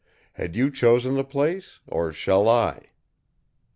Had you chosen the place, or shall I?"